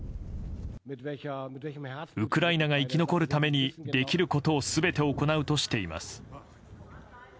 ウクライナが生き残るためにできること全て行うとしています。